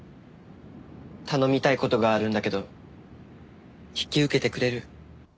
頼みたい事があるんだけど引き受けてくれる？